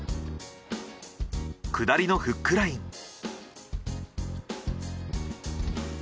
下りのフックライン。